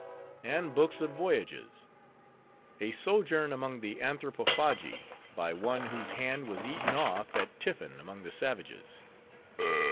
And books of voyages:— "A Sojourn among the Anthropophagi, by One whose Hand was eaten off at Tiffin among the Savages."